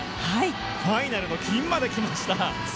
ファイナルの金まで来ました。